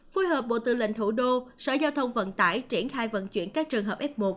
phối hợp bộ tư lệnh thủ đô sở giao thông vận tải triển khai vận chuyển các trường hợp f một